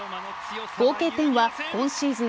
合計点は今シーズン